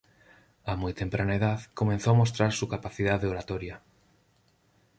A muy temprana edad comenzó a mostrar su capacidad de oratoria.